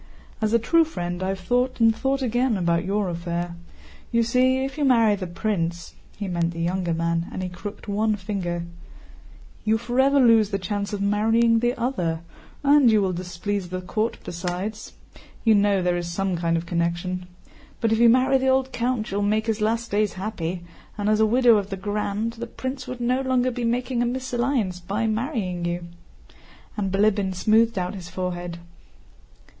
"As a true friend, I have thought and thought again about your affair. You see, if you marry the prince"—he meant the younger man—and he crooked one finger, "you forever lose the chance of marrying the other, and you will displease the court besides. (You know there is some kind of connection.) But if you marry the old count you will make his last days happy, and as widow of the Grand... the prince would no longer be making a mésalliance by marrying you," and Bilíbin smoothed out his forehead.